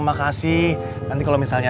makasih nanti kalau misalnya